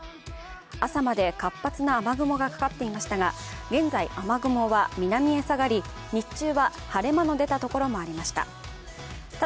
朝まで活発な雨雲がかかっていましたが、現在、雨雲は南へ下がり、日中は晴れ間の出た所もありました。